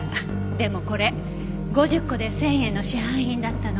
でもこれ５０個で１０００円の市販品だったの。